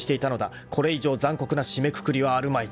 ［これ以上残酷な締めくくりはあるまい］